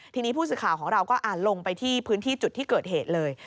ทีนี้ผู้สื่อข่าวของเราก็ลงไปที่พื้นที่จุดที่เกิดเหตุเลย